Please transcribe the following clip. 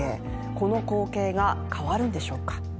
この光景が変わるんでしょうか。